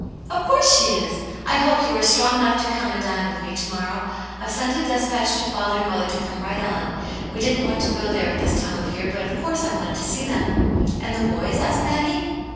" Of course she is. I hope you are strong enough to come and dine with me to morrow. IVe sent a despatch to father and mother to come right on ; we didn't want to go there at this time of year, but of course I wanted to see them." " And the boys ?" asked Maggie.